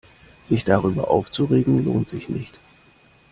Sich darüber aufzuregen, lohnt sich nicht.